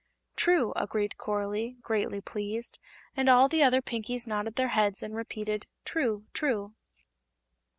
"True," agreed Coralie, greatly pleased, and all the other Pinkies nodded their heads and repeated: "True true!"